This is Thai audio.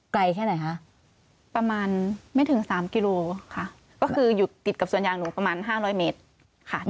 แค่ไหนคะประมาณไม่ถึงสามกิโลค่ะก็คืออยู่ติดกับสวนยางหนูประมาณ๕๐๐เมตรค่ะ